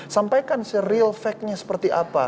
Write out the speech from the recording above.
sampaikan se real fact nya seperti apa